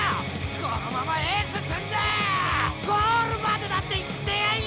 このままエース積んでゴールまでだって行ってやんよ！